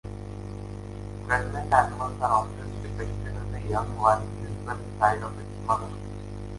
Pregnant animals are often depicted with a young one visible inside of its mother.